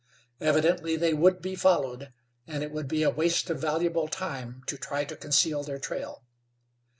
Evidently they would be followed, and it would be a waste of valuable time to try to conceal their trail.